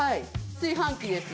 炊飯器です。